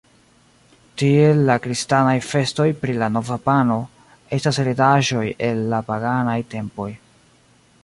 Tiel la kristanaj festoj pri la nova pano, estas heredaĵoj el la paganaj tempoj.